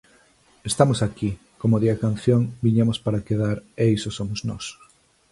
Estamos aquí; como di a canción, "viñemos para quedar", e iso somos nós.